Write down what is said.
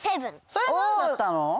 それなんだったの？